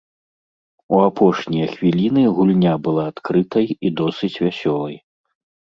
У апошнія хвіліны гульня была адкрытай і досыць вясёлай.